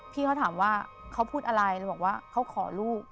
พี่เขาถามว่าเขาพูดอะไรเลยบอกว่าเขาขอลูก